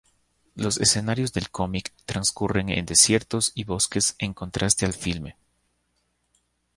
Los escenarios del cómic transcurren en desiertos y bosques en contraste al filme.